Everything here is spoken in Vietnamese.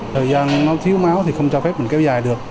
thời gian nó thiếu máu thì không cho phép mình kéo dài được